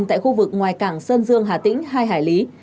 tại khu vực ngoài cảng sơn dương hà tĩnh hai hải lý